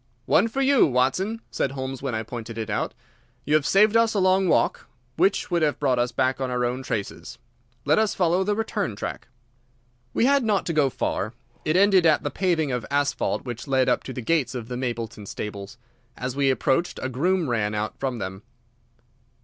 "One for you, Watson," said Holmes, when I pointed it out. "You have saved us a long walk, which would have brought us back on our own traces. Let us follow the return track." We had not to go far. It ended at the paving of asphalt which led up to the gates of the Mapleton stables. As we approached, a groom ran out from them.